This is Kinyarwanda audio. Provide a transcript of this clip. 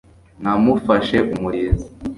namufashe umurizo